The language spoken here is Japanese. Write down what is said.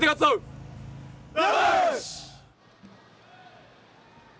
よし！